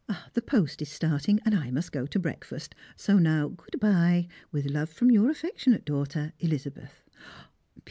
The post is starting, and I must go to breakfast, so now good bye, with love from your affectionate daughter, Elizabeth.